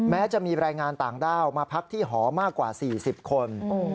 แม้จะมีแรงงานต่างด้าวมาพักที่หอมากกว่า๔๐คน